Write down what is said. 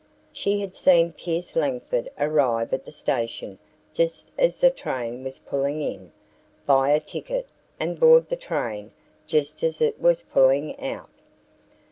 She had seen Pierce Langford arrive at the station just as the train was pulling in, buy a ticket and board the train just as it was pulling out.